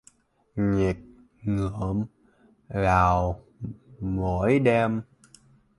Nghịch ngợm vào mỗi đêm